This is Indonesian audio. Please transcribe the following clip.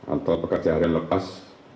atau pekerjaan lepas